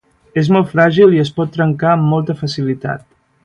És molt fràgil i es pot trencar amb molta facilitat.